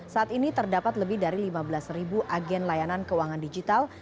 saat ini terdapat lebih dari lima belas ribu agen layanan keuangan digital